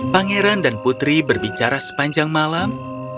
pangeran dan putri berbicara sepanjang malam